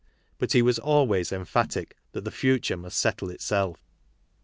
But he was always emphatic that the future must settle itself.